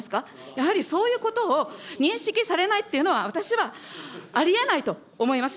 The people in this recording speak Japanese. やはりそういうことを認識されないっていうのは、私はありえないと思います。